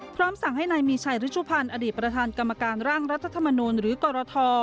พร้อมสั่งให้นายมีชัยหรือชุพภัณฑ์อดีตประธานกรรมการร่างรัฐธรรมนุนหรือการทร